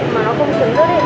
mà nó không xứng rất hết